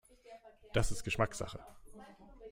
Das ist Geschmackssache.